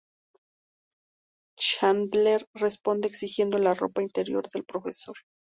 Chandler responde exigiendo la ropa interior del profesor.